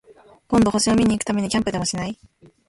今度、星を見に行くためにキャンプでもしない？